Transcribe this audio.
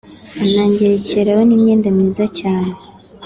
anangerekeraho n’imyenda myiza cyane